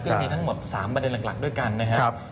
ซึ่งมีทั้งหมด๓ประเด็นหลักด้วยกันนะครับ